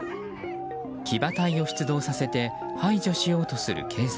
騎馬隊を出動させて排除しようとする警察。